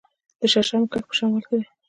د شړشمو کښت په شمال کې دی.